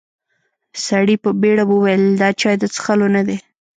سړي په بيړه وويل: دا چای د څښلو نه دی.